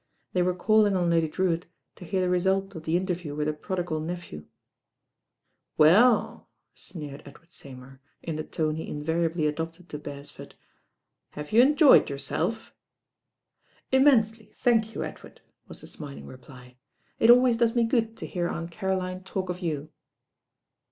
They were calling on Lady Drewitt to hear the result of the interview with her prodigal nephew. "WeU," sneered Edward Seymour in the tone he mvariably adopted to Beresford, "have you enjoyed yourself?" "Immensely, thank you, Edward," was the smil mg reply. "It always does me good to hear Aunt Caroline talk of you."